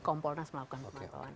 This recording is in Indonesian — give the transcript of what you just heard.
komponernas melakukan pemantauan